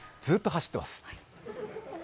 ずっと走ってます。